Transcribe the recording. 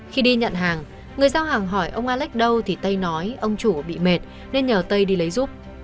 khi đi nhận hàng người giao hàng hỏi ông a lách đâu thì tây nói ông chủ bị mệt nên nhờ tây đi lấy giúp